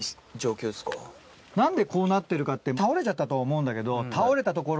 何でこうなってるかって倒れちゃったとは思うんだけど。